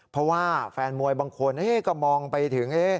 เพราะว่าแฟนมวยบางคนก็มองไปถึง